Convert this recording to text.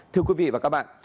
thưa quý vị và các bạn